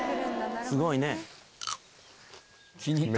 「すごいね」